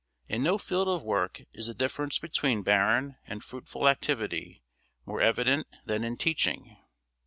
In no field of work is the difference between barren and fruitful activity more evident than in teaching.